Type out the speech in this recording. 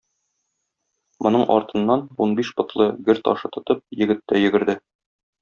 Моның артыннан, унбиш потлы гер ташы тотып, егет тә йөгерде.